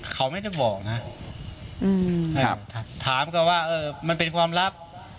เขาไม่ได้บอกนะถามเขาว่ามันเป็นความลับ